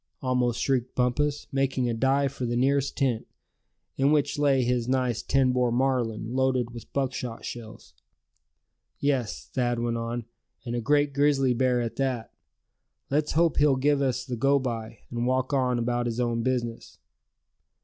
almost shrieked Bumpus, making a dive for the nearest tent, in which lay his nice ten bore Marlin, loaded with buckshot shells. "Yes," Thad went on, "and a great big grizzly bear at that. Let's hope he'll give us the go by, and walk on about his own business!"